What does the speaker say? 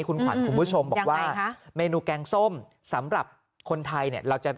คุณขวัญคุณผู้ชมบอกว่าเมนูแกงส้มสำหรับคนไทยเนี่ยเราจะ